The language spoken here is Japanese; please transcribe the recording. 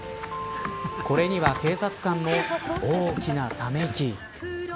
これには警察官も大きなため息。